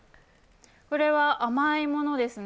これは甘いものですね、